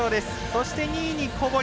そして、２位に小堀。